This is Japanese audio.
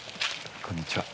こんにちは。